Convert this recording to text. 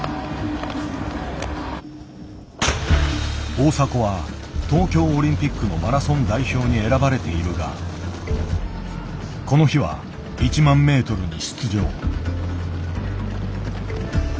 大迫は東京オリンピックのマラソン代表に選ばれているがこの日は１万メートルに出場。